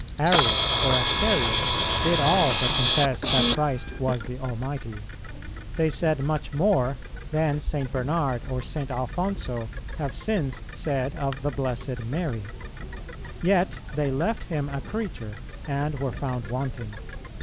Arius or Asterius did all but confess that Christ was the Almighty; they said much more than St. Bernard or St. Alphonso have since said of the Blessed Mary; yet they left Him a creature and were found wanting.